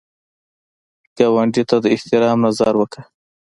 ګاونډي ته د احترام نظر وکړه